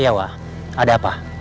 iya wak ada apa